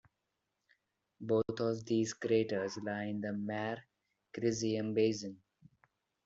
Both of these craters lie in the Mare Crisium basin.